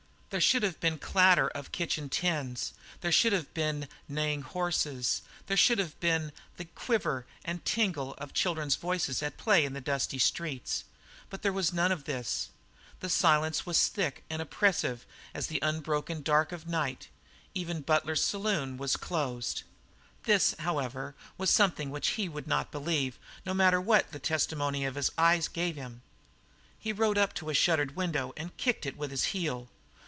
There should have been clatter of kitchen tins; there should have been neighing of horses; there should have been the quiver and tingle of children's voices at play in the dusty streets. But there was none of this. The silence was as thick and oppressive as the unbroken dark of the night. Even Butler's saloon was closed! This, however, was something which he would not believe, no matter what testimony his eyes gave him. He rode up to a shuttered window and kicked it with his heel.